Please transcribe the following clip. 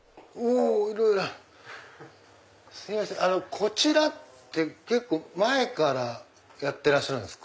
こちらって結構前からやってらっしゃるんですか？